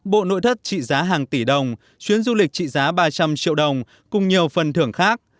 bộ nội thất trị giá hàng tỷ đồng chuyến du lịch trị giá ba trăm linh triệu đồng cùng nhiều phần thưởng khác